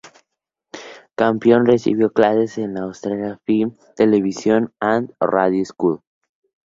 Campion recibió clases en la Australian Film Television and Radio School.